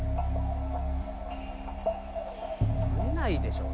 「食えないでしょ